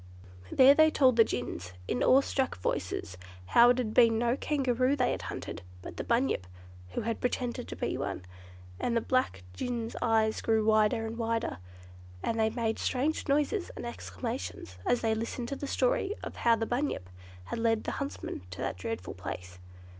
There they told the gins, in awe struck voices, how it had been no Kangaroo they had hunted, but the "Bunyip", who had pretended to be one. And the black gins' eyes grew wider and wider, and they made strange noises and exclamations, as they listened to the story of how the "Bunyip" had led the huntsmen to that dreadful place.